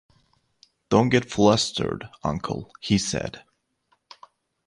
“Don’t get flustered, uncle,” he said.